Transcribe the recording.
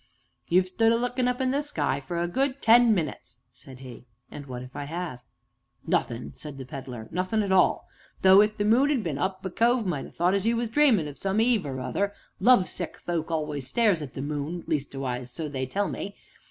"You've stood a lookin' up into the sky for a good ten minutes!" said he. "And what if I have?" "Nothin," said the Pedler, "nothin' at all though if the moon 'ad been up, a cove might ha' thought as you was dreamin' of some Eve or other; love sick folk always stares at the moon leastways, so they tell me.